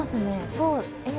そうえ？